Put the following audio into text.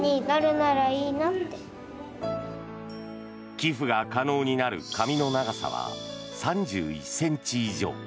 寄付が可能になる髪の長さは３１ｃｍ以上。